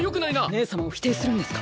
姉様を否定するんですか？